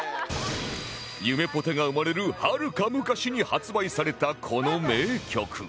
ゆめぽてが生まれるはるか昔に発売されたこの名曲